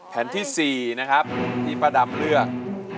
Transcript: แผ่นที่๔นะครับที่ป้าดำเลือก